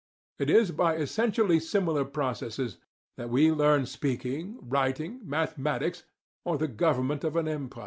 It is by essentially similar processes that we learn speaking, writing, mathematics, or the government of an empire.